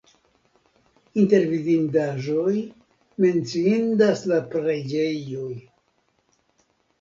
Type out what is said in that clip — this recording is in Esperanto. Inter vidindaĵoj menciindas la preĝejoj.